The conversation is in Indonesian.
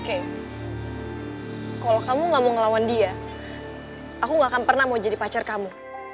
kalau kamu gak mau ngelawan dia aku gak akan pernah mau jadi pacar kamu